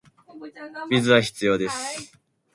水は必要です